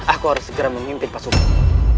aku harus segera memimpin pasukan